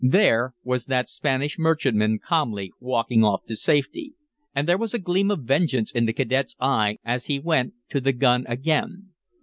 There was that Spanish merchantman calmly walking off to safety. And there was a gleam of vengeance in the cadet's eye as he went to the gun again.